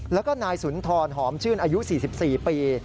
แล้วก็นายสุนทรหอมชื่นอายุ๔๔ปี